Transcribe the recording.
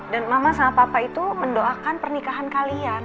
dan mama sama papa itu mendoakan pernikahan kalian